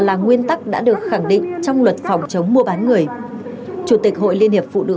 các nước khác đã được khẳng định trong luật phòng chống mua bán người chủ tịch hội liên hiệp phụ nữ